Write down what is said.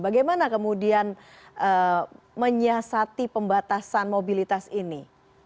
bagaimana kemudian menyiasati pembatasan mobilitas ini